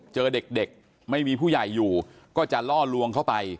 เจอเด็กไม่มีผู้ใหญ่อยู่ก็จะล่อลวงเข้าไป